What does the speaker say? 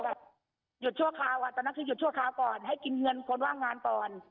หยุดชั่วคราวอ่ะตอนนั้นคือหยุดชั่วคราวก่อนให้กินเงินคนว่างงานก่อน